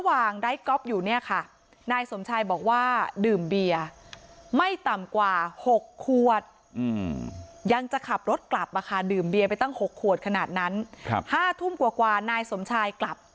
อ่ะค่ะดื่มเบียนไปตั้งหกขวดขนาดนั้นครับห้าทุ่มกว่านายสมชายกลับ